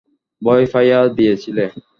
ভয় পাইয়ে দিয়েছিলে।